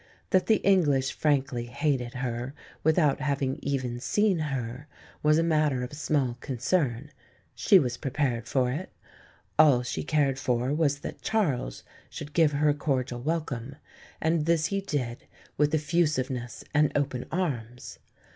That the English frankly hated her without having even seen her was a matter of small concern she was prepared for it. All she cared for was that Charles should give her a cordial welcome; and this he did with effusiveness and open arms.